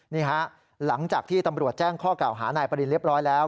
นี่ฮะหลังจากที่ตำรวจแจ้งข้อกล่าวหานายปรินเรียบร้อยแล้ว